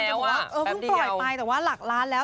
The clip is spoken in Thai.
บอกว่าเออเพิ่งปล่อยไปแต่ว่าหลักล้านแล้ว